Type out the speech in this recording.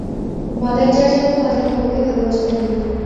Mother church এবং father পোপকে ভালবাসা জানিও।